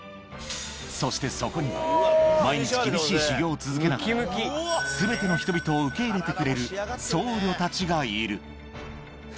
そしてそこには毎日、厳しい修行を続けながら、すべての人々を受け入れてくれる僧侶たちがいる。